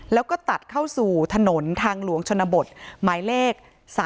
แล้วก็ตัดเข้าสู่ถนนทางหลวงชนบทหมายเลข๓๓